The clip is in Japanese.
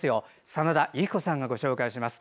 真田由喜子さんがご紹介します。